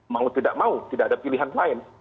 mau tidak mau tidak ada pilihan lain